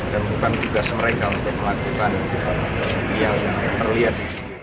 dan bukan tugas mereka untuk melakukan yang terlihat